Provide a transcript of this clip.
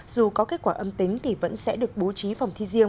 dù có kết quả âm tính thì vẫn sẽ được bố trí phòng thi riêng